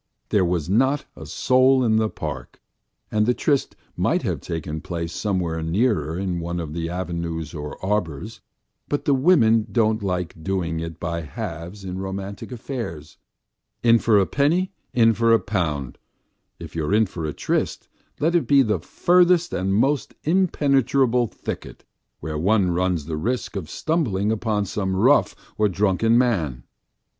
There was not a soul in the park, and the tryst might have taken place somewhere nearer in one of the avenues or arbours, but women don't like doing it by halves in romantic affairs; in for a penny, in for a pound if you are in for a tryst, let it be in the furthest and most impenetrable thicket, where one runs the risk of stumbling upon some rough or drunken man.